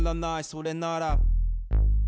「それなら」